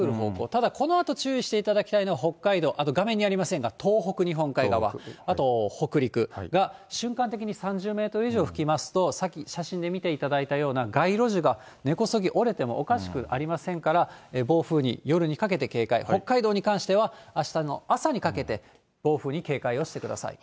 ただ、このあと注意していただきたいのは、北海道、あと画面にありませんが東北日本海側、あと北陸が、瞬間的に３０メートル以上吹きますと、さっき写真で見ていただいたような、街路樹が根こそぎ折れてもおかしくありませんから、暴風に、夜にかけて警戒、北海道に関してはあしたの朝にかけて、暴風に警戒をしてください。